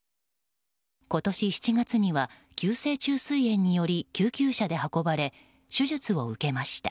今年７月には、急性虫垂炎により救急車で運ばれ手術を受けました。